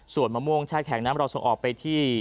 ส่วนมะม่วงแช่แข็งนั้นเราส่งออกไปที่